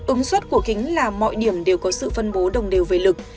ứng suất của kính là mọi điểm đều có sự phân bố đồng đều về lực